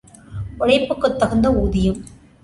உழைப்புக்குத் தகுந்த ஊதியம்.